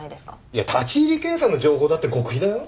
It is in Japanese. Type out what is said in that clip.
いや立入検査の情報だって極秘だよ。